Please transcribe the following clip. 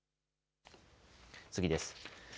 次です。